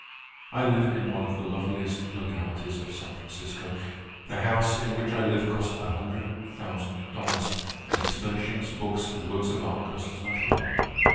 "I live in one of the loveliest localities of San Francisco. The house in which I live cost a hundred thousand dollars, and its furnishings, books, and works of art cost as much more.